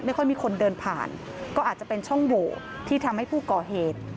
ค่อยมีคนเดินผ่านก็อาจจะเป็นช่องโหวที่ทำให้ผู้ก่อเหตุ